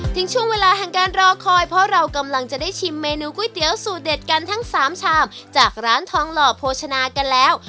ถึงช่วงเวลาแห่งการรอคอยเพราะเรากำลังจะได้ชิมเมนูก๋วยเตี๋ยวสูตรเด็ดกันทั้งสามชามจากร้านทองหล่อโภชนากันแล้ว